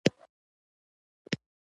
انار د مغز لپاره مفید دی.